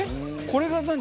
これが何？